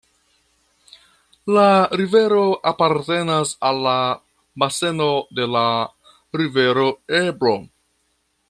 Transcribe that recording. La rivero apartenas al la baseno de la rivero Ebro.